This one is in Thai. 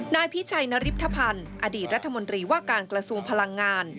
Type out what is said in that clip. นายพิชัยนริปทพันธ์อดีตรัฐมนตรีว่าการกระทรวงพลังงาน